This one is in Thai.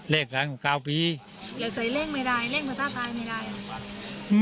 เล่งครั้งกว่าเก้าปีแล้วใส่เล่งไม่ได้เล่งภาษาไทยไม่ได้